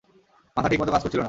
মাথা ঠিকমত কাজ করছিল না!